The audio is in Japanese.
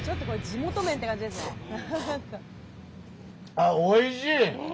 あっおいしい！